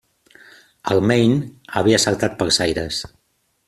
El Maine havia saltat pels aires.